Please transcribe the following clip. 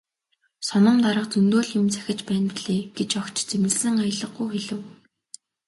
"Соном дарга зөндөө л юм захиж байна билээ" гэж огт зэмлэсэн аялгагүй хэлэв.